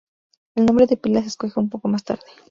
El nombre de pila se escoge un poco más tarde.